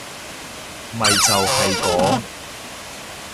咪就係講